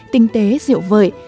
tinh tế diệu vợi